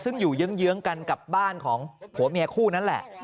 ซึ่งอยู่เยื้องกันกับบ้านของผัวเมียคู่นั้นแหละ